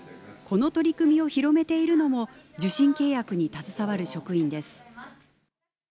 この取り組みを広めているのも受信契約に携わる職員です。